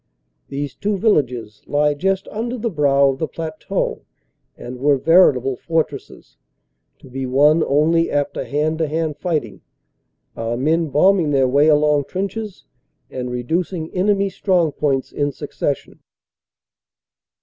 These two villages lie just under the brow of the plateau and were veritable fortresses, to be won only after hand to hand fighting, our men bombing their way along trenches and reducing enemy strong points in succession.